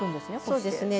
そうですね。